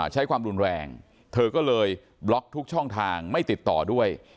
ใช้ความรุนแรงเธอก็เลยบล็อกทุกช่องทางไม่ติดต่อด้วย